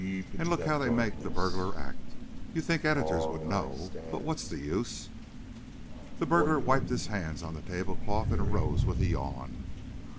And look how they make the burglars act! You'd think editors would know—but what's the use?" The burglar wiped his hands on the tablecloth and arose with a yawn.